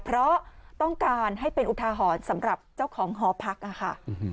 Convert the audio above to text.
เพราะต้องการให้เป็นอุทาหรณ์สำหรับเจ้าของหอพักค่ะ